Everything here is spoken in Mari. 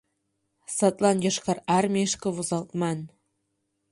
Садлан Йошкар Армийышке возалтман.